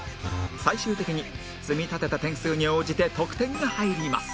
最終的に積み立てた点数に応じて得点が入ります